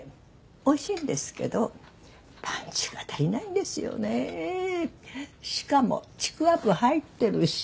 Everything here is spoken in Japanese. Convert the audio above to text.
「おいしいんですけどパンチが足りないんですよね」「しかもちくわぶ入ってるし」